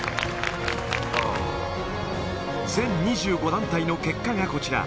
全２５団体の結果がこちら。